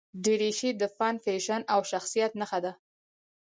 دریشي د فن، فیشن او شخصیت نښه ده.